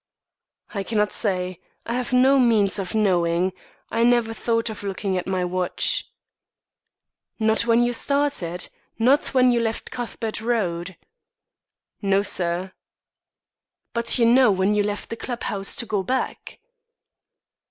"I cannot say. I have no means of knowing; I never thought of looking at my watch." "Not when you started? Not when you left Cuthbert Road?" "No, sir." "But you know when you left the club house to go back?"